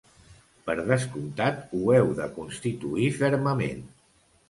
Per descomptat, ho heu de constituir fermament.